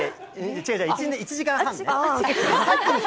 違う違う、１時間半。